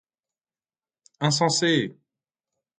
Insensé !